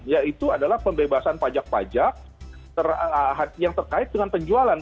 yaitu adalah pembebasan pajak pajak yang terkait dengan penjualan